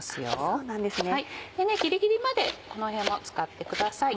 ギリギリまでこの辺も使ってください。